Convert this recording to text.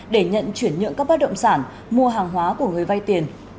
để nhận chuyển nhượng các bác động sản mua hàng hóa của người vay tiền